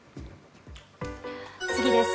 次です。